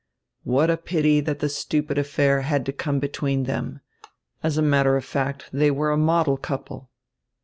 "What a pity that the stupid affair had to come between them! As a matter of fact, they were a model couple."